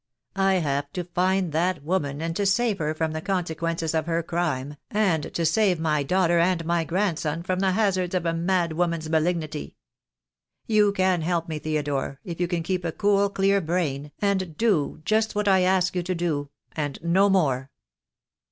I have to find that woman and to save her from the consequences of her crime, and to save my daughter and my grandson from the hazards of a madwoman's 200 THE DAY WILL COME. malignity. You can help me, Theodore, if you can keep a cool, clear brain, and do just what I ask you to do, and no more."